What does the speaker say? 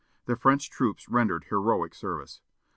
The French troops rendered heroic service.